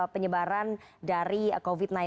penyebaran dari covid sembilan belas